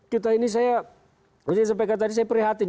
kita ini saya seperti yang saya katakan tadi saya prihatin